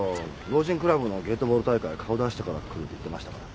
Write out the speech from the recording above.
老人クラブのゲートボール大会顔出してから来るって言ってましたから。